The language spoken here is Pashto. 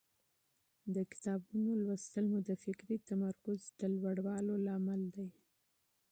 د کتابونو مطالعه مو د فکري تمرکز د لوړولو لامل دی.